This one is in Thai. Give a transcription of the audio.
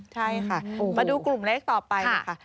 ใช่ค่ะมาดูกลุ่มเลขต่อไปนะคะ